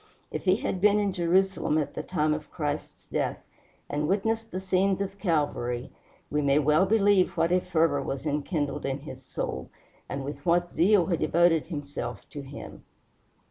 If he had been in Jerusalem at the time of Christ's death, and witnessed the scenes of Calvary, we may well believe what a fervor was enkindled in his soul, and with what zeal he devoted himself to him.